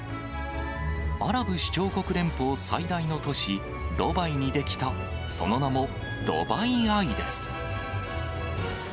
アラブ首長国連邦最大の都市、ドバイに出来たその名もドバイ・アイです。